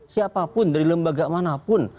siapapun dari lembaga manapun